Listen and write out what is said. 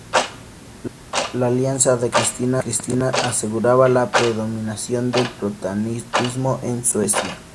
La alianza de Carlos y Cristina aseguraba la predominancia del protestantismo en Suecia.